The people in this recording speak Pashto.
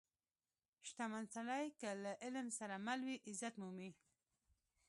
• شتمن سړی که له علم سره مل وي، عزت مومي.